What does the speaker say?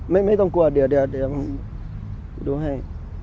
ไม่ต้องกลัวเดี๋ยวดูให้